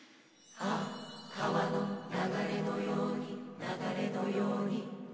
「ああ川の流れのように流れのように」